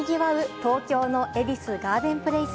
東京の恵比寿ガーデンプレイス。